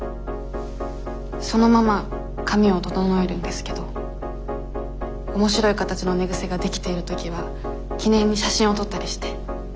そのまま髪を整えるんですけど面白い形の寝癖ができている時は記念に写真を撮ったりして。